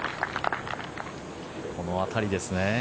この辺りですね。